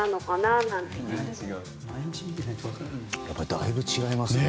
だいぶ違いますね。